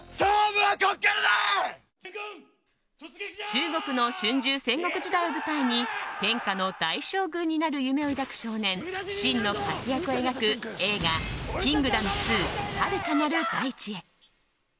中国の春秋戦国時代を舞台に天下の大将軍になる夢を抱く少年・信の活躍を描く映画「キングダム２遥かなる大地へ」。